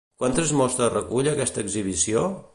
Quantes mostres recull aquesta exhibició?